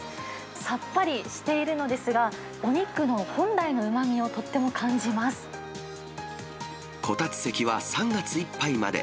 さっぱりしているのですが、お肉の本来のうまみをとっても感こたつ席は３月いっぱいまで。